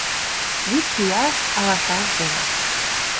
Вич ияш алашаж ден